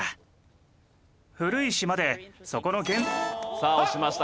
さあ押しました。